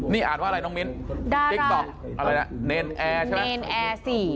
นี่อ่านว่าอะไรน้องมิ้นได้ติ๊กต๊อกอะไรนะเนรนแอร์ใช่ไหมเนรนแอร์สิ